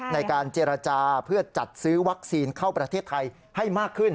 ในการเจรจาเพื่อจัดซื้อวัคซีนเข้าประเทศไทยให้มากขึ้น